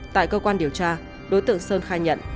tại cơ quan điều tra đối tượng sơn khai nhận